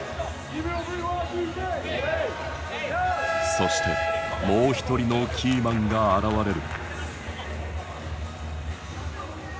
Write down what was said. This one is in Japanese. そしてもう一人のキーマンが現れる。